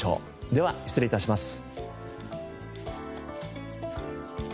では失礼致します。